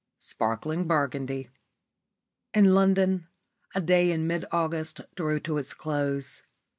SPARKLING BURGUNDY In London a day in mid August drew to its close.